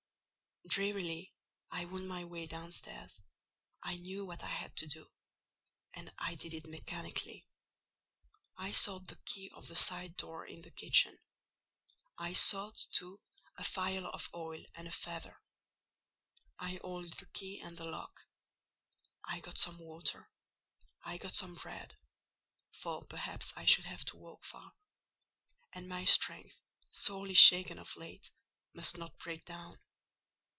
Drearily I wound my way downstairs: I knew what I had to do, and I did it mechanically. I sought the key of the side door in the kitchen; I sought, too, a phial of oil and a feather; I oiled the key and the lock. I got some water, I got some bread: for perhaps I should have to walk far; and my strength, sorely shaken of late, must not break down.